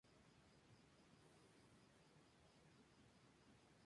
En la actualidad, el príncipe Francisco Guillermo reside en Madrid.